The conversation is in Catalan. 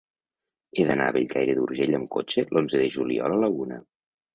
He d'anar a Bellcaire d'Urgell amb cotxe l'onze de juliol a la una.